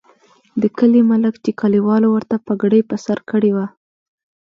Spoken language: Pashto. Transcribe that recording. د کلي ملک چې کلیوالو ورته پګړۍ په سر کړې وه.